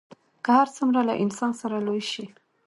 که هر څومره له انسانه سره لوی سي